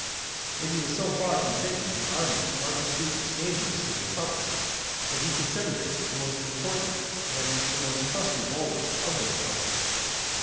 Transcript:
And he was so far from thinking the army of Marcus Brutus dangerous to the republic, that he considered it the most important and the most trusty bulwark of the republic.